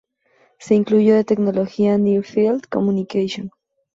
Se incluyó de tecnología Near Field Communication.